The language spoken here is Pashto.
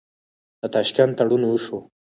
د تاشکند تړون وشو.